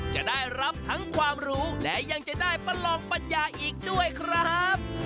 จะได้รับทั้งความรู้และยังจะได้ประลองปัญญาอีกด้วยครับ